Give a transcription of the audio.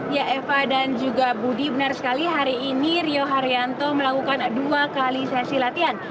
ya eva dan juga budi benar sekali hari ini rio haryanto melakukan dua kali sesi latihan